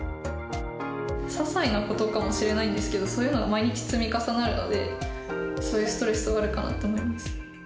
ささいなことかもしれないんですけど、そういうのが毎日積み重なるので、そういうストレスはあるかなと思います。